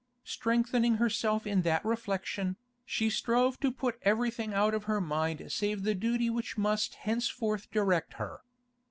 Strengthening herself in that reflection, she strove to put everything out of her mind save the duty which must henceforth direct her.